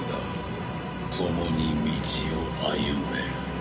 共に道を歩める。